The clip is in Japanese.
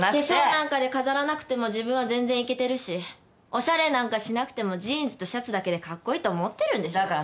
化粧なんかで飾らなくても自分は全然イケてるしおしゃれなんかしなくてもジーンズとシャツだけでカッコイイと思ってるんでしょ？